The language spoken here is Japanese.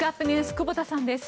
久保田さんです。